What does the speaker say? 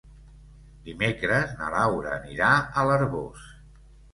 Dimecres na Laura anirà a l'Arboç.